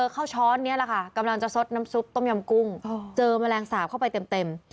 ช้อนนี้แหละค่ะกำลังจะซดน้ำซุปต้มยำกุ้งเจอแมลงสาบเข้าไปเต็ม